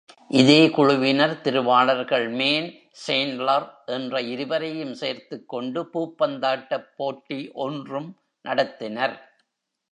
இதே குழுவினர் திருவாளர்கள் man, Chandler என்ற இருவரையும் சேர்த்துக்கொண்டு பூப்பந்தாட்டப் போட்டி ஒன்றும் நடத்தினர்.